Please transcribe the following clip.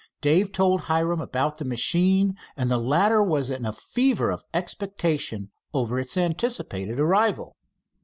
Dave told Hiram about the machine, and the hitter was in a fever of expectation over its anticipated arrival.